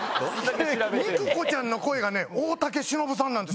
肉子ちゃんの声が大竹しのぶさんなんですよ。